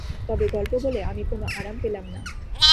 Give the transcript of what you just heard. তবে গল্প বলে আমি কোনো আরাম পেলাম না।